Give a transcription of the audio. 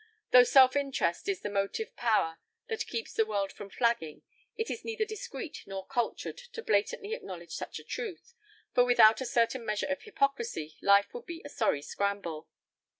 Though self interest is the motive power that keeps the world from flagging, it is neither discreet nor cultured to blatantly acknowledge such a truth, for without a certain measure of hypocrisy life would be a sorry scramble.